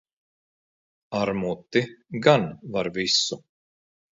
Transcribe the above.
Ar muti gan var visu.